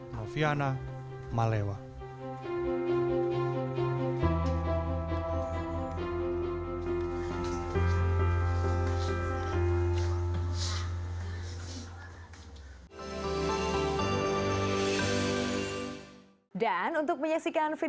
tapi kalau kita susah pra teng gon kita pages